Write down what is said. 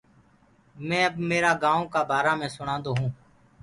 مي اب ميرآ گائونٚ ڪآ بآرآ مي سُڻادو هونٚ۔